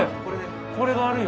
これがあるよ。